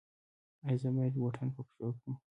ایا زه باید بوټان په پښو کړم؟